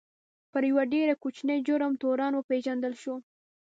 پر یوه ډېر کوچني جرم تورن وپېژندل شو.